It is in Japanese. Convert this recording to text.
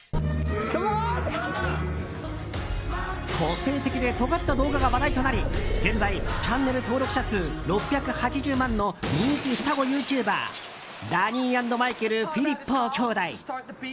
個性的でとがった動画が話題となり現在、チャンネル登録者数６８０万の人気双子ユーチューバーダニー＆マイケル・フィリッポウ兄弟。